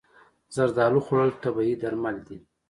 زردالو خوړل طبیعي درمل دي.